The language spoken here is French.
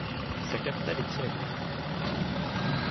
Sa capitale est Kiev.